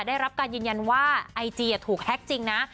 ได้รับการยืนยันว่าไอจีถูกแฮ็กจริงนะ